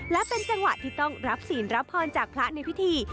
และเป็นจังหวะที่ต้องรับศีลรับพรจากพระในพิธี